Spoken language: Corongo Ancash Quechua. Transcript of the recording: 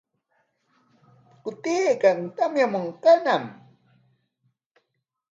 Pukutaykan, tamyamunqañam.